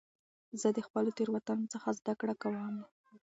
زه د خپلو تېروتنو څخه زده کړه کوم.